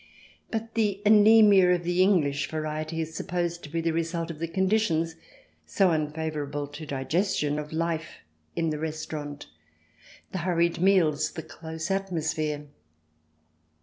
141 142 THE DESIRABLE ALIEN [ch. x And the anaemia of the English variety is supposed to be the result of the conditions, so unfavourable to digestion, of life in the restaurant — the hurried meals, the close atmosphere.